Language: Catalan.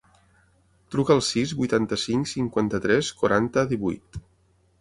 Truca al sis, vuitanta-cinc, cinquanta-tres, quaranta, divuit.